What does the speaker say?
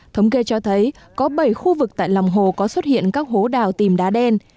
thống kê cho thấy có bảy khu vực tại lòng hồ có xuất hiện các hố đào tìm đá đen